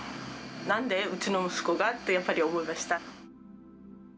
なんでうちの息子が？ってやっぱり思いました。